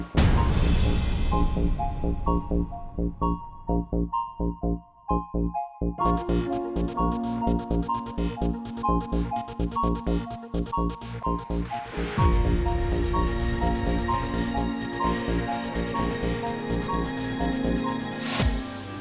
pencarian juga gak maksimal karena cuaca buruk